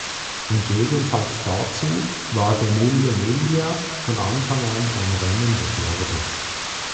Im Gegensatz dazu war die Mille Miglia von Anfang an ein Rennen des Nordens.